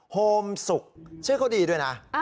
โฮมสุกชื่อเขาดีด้วยนะ